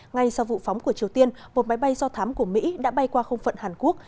ngay sau vụ phóng của triều tiên một máy bay do thám của mỹ đã bay qua không phận hàn quốc